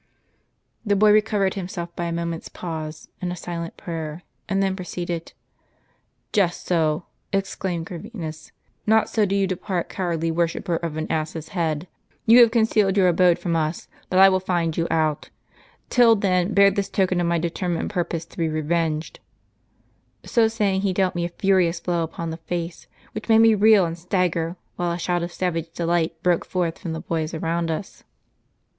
The boy recovered himself by a moment's pause and a silent prayer, and then proceeded :"' JSTot so !' exclaimed Corvinus, ' not so do you depart, cowardly worshipper of an ass's head !* Ton have concealed your abode from us, but I will find you out; till then bear * One of the many calumnies popular among the heatheus. this token of my determined purpose to be revenged !' So saying he dealt me a furious blow upon the face, which made me reel and stagger, while a shout of savage delight broke forth from the boys around us."